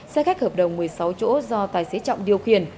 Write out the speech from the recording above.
xe khách hợp đồng một mươi sáu chỗ do tài xế trọng điều khiển